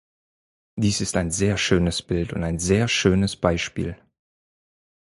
Dies ist ein sehr schönes Bild und ein sehr schönes Beispiel!